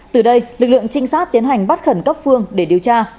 từ đây lực lượng trinh sát tiến hành bắt khẩn cấp phương để điều tra